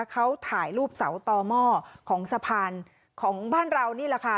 เขาถ่ายรูปเสาต่อหม้อของสะพานของบ้านเรานี่แหละค่ะ